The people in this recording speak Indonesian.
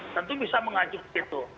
tentu bisa mengajak begitu